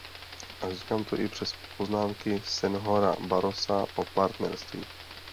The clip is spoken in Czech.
A říkám to i přes poznámky senhora Barrosa o partnerství.